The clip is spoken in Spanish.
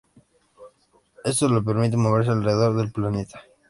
Esto les permite moverse alrededor del planeta.